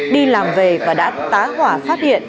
đi làm về và đã tá hỏa phát hiện